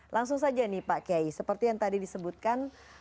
langsung saja nih pak kiai seperti yang tadi disebutkan